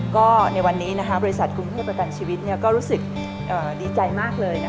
ก็ในวันนี้บริษัทกรุงเทพประกันชีวิตก็รู้สึกดีใจมากเลย